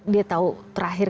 dia tahu terakhir